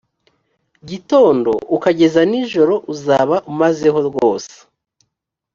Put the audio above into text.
gitondo ukageza nijoro uzaba umazeho rwose